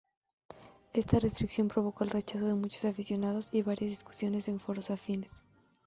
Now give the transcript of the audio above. Esta restricción provocó el rechazo de muchos aficionados y varias discusiones en foros afines.